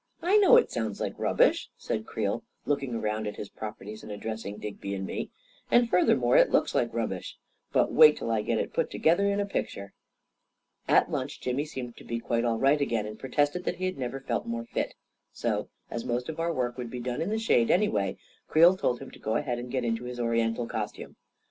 " I know it sounds like rubbish," said Creel, look ing around at his properties and addressing Digby 192 A KING IN BABYLON and me ;" and furthermore it looks like rubbish ; but watt till I get it put together in a picture !" At lunch, Jimmy seemed to be quite all right again, and protested that he had never felt more fit. So, as most of our work would be done in the shade, anyway, Creel told him to go ahead and get into his Oriental costume.